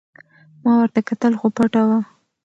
ما ورته کتل خو پټه وه.